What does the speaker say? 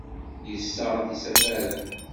Yessaɣ-d isafaren.